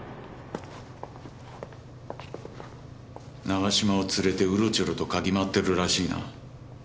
永嶋を連れてうろちょろとかぎ回ってるらしいな。